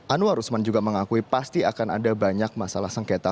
anwar usman juga mengakui pasti akan ada banyak masalah sengketa